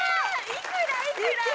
いくら？いくら？